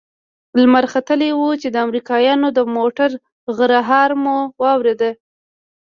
لمر ختلى و چې د امريکايانو د موټرو غرهار مو واورېد.